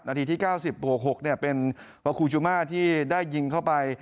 นาทีที่๙๖เป็นวัคคูจุมาที่ได้ยิงเข้าไป